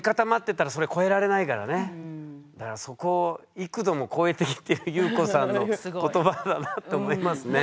そうかだからそこを幾度も超えてきてるゆうこさんの言葉だなって思いますね。